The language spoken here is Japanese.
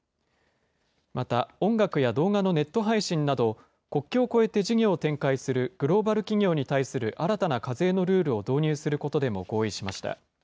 また、音楽や動画のネット配信など、国境を越えて事業を展開するグローバル企業に対する新たな課税のルールを導入することでも合意しました。